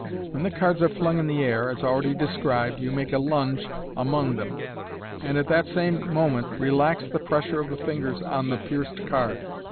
When the cards •re flung in the air, as already described, you make a lunge among them, and at the same moment relax the pressure of the fingers on the pierced card.